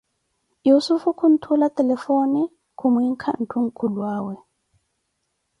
Yussufu kuntula telefone khumwinka ntuunkulwaawe.